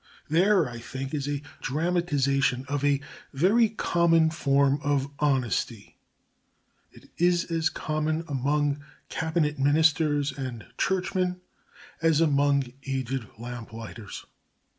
There, I think, is a dramatisation of a very common form of honesty. It is as common among Cabinet Ministers and Churchmen as among aged lamplighters.